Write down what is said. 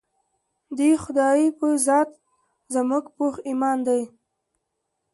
د خدائے پۀ ذات زمونږ پوخ ايمان دے